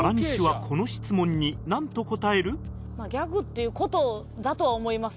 ギャグっていう事だとは思いますけどね。